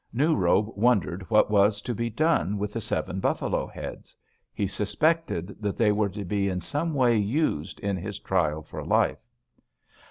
New Robe wondered what was to be done with the seven buffalo heads; he suspected that they were to be in some way used in his trial for life.